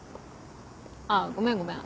あぁごめんごめん